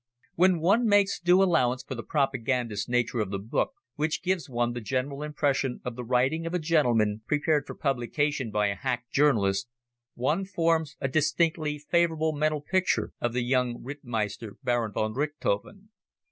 When one makes due allowance for the propagandist nature of the book, which gives one the general impression of the writing of a gentleman prepared for publication by a hack journalist, one forms a distinctly favorable mental picture of the young Rittmeister Baron von Richthofen.